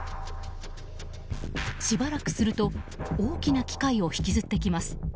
しばらくすると大きな機械を引きずってきます。